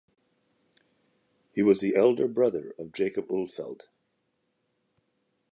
He was the elder brother of Jacob Ulfeldt.